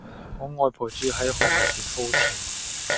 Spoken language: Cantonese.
我外婆住喺何文田皓畋